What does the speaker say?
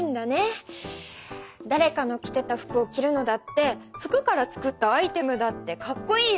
だれかの着てた服を着るのだって服から作ったアイテムだってかっこいいよ。